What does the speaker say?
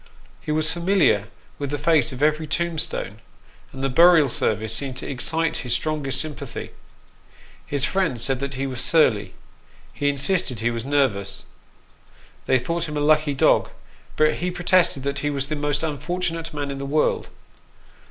He was familiar with the face of every tomb stone, and the burial service seemed to excite his strongest sympathy. His friends said he was surly he insisted he was nervous ; they thought him a lucky dog, but he protested that he was " the most un fortunate man in the world."